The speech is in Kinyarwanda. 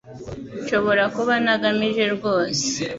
Nshobora kuba ntagamije rwose